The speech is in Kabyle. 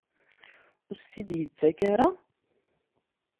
Ur as-tt-id-yettak ara?